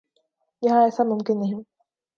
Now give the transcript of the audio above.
یہاں ایسا ممکن نہیں۔